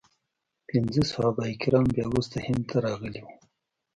پنځه صحابه کرام بیا وروسته هند ته راغلي وو.